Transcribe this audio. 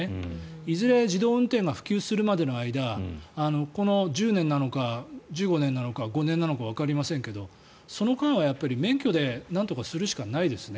いずれ自動運転が普及するまでの間この１０年なのか１５年なのか５年なのかわかりませんが、その間は免許でなんとかするしかないですね。